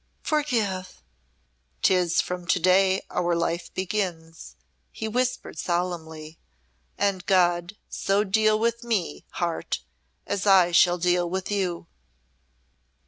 forgive!" "Tis from to day our life begins," he whispered, solemnly. "And God so deal with me, Heart, as I shall deal with you."